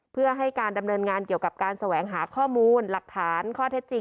เพื่อให้การดำเนินงานเกี่ยวกับการแสวงหาข้อมูลหลักฐานข้อเท็จจริง